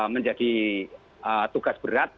menjadi tugas berat